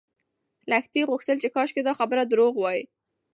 لښتې غوښتل چې کاشکې دا خبر درواغ وای.